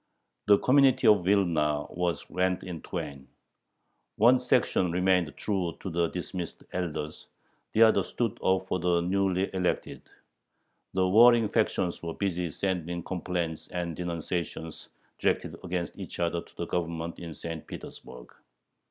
The community of Vilna was rent in twain. One section remained true to the dismissed elders, the other stood up for the newly elected. The warring factions were busy sending complaints and denunciations directed against each other to the Government in St. Petersburg.